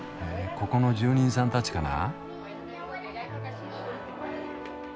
ここの住人さんたちかな？